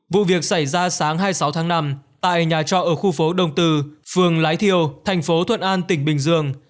vụ việc xảy ra sáng hai mươi sáu tháng năm tại nhà trọ ở khu phố đồng từ phường lái thiêu thành phố thuận an tỉnh bình dương